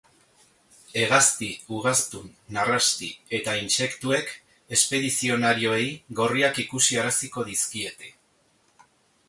Hegazti, ugaztun, narrasti eta intsektuek espedizionarioei gorriak ikusi araziko dizkiete.